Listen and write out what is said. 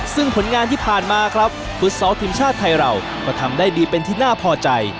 ซึ่งผลงานที่ผ่านมาครับฟุตซอลทีมชาติไทยเราก็ทำได้ดีเป็นที่น่าพอใจ